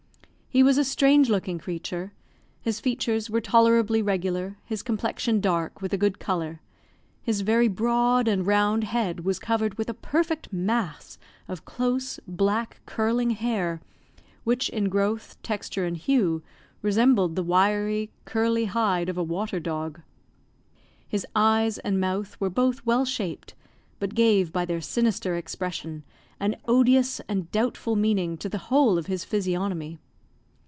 He was a strange looking creature; his features were tolerably regular, his complexion dark, with a good colour, his very broad and round head was covered with a perfect mass of close, black, curling hair, which, in growth, texture, and hue, resembled the wiry, curly hide of a water dog. His eyes and mouth were both well shaped, but gave, by their sinister expression, an odious and doubtful meaning to the whole of his physiognomy.